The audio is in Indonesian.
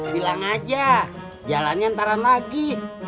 bilang aja jalannya ntaran lagi